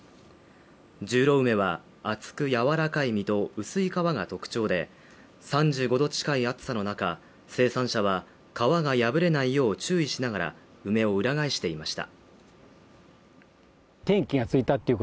十郎梅は厚くやわらかい実と薄い皮が特徴で３５度近い暑さの中、生産者は皮が破れないよう注意しながら梅を裏返していました。